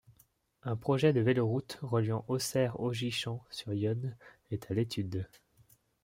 Un projet de véloroute reliant Auxerre-Augy-Champs sur Yonne est à l'étude.